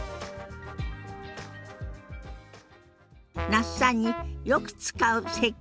那須さんによく使う接客